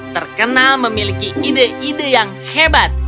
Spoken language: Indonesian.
terkenal memiliki ide ide yang hebat